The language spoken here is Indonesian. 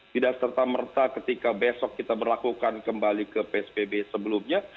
tidak serta merta ketika besok kita berlakukan kembali ke psbb sebelumnya